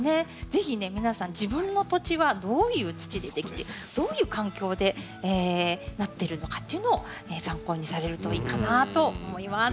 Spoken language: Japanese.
是非ね皆さん自分の土地はどういう土でできてどういう環境でなってるのかというのを参考にされるといいかなと思います。